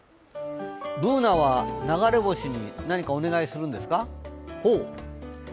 Ｂｏｏｎａは流れ星に何かお願いするんですか？